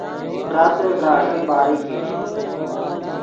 فراتے ڤراݱین باریک ای